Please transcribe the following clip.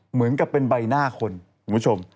เหมือนกับเป็นใบหน้าคนคุณผู้ชม